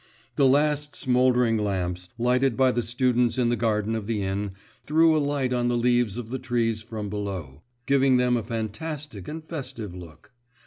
The last, smouldering lamps, lighted by the students in the garden of the inn, threw a light on the leaves of the trees from below, giving them a fantastic and festive look.